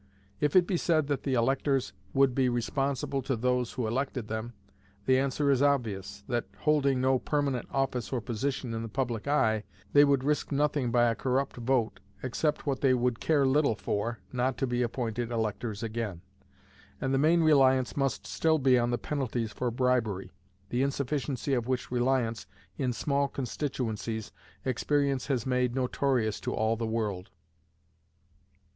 If it be said that the electors would be responsible to those who elected them, the answer is obvious, that, holding no permanent office or position in the public eye, they would risk nothing by a corrupt vote except what they would care little for, not to be appointed electors again: and the main reliance must still be on the penalties for bribery, the insufficiency of which reliance, in small constituencies, experience has made notorious to all the world.